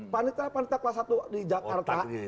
panitra panitia kelas satu di jakarta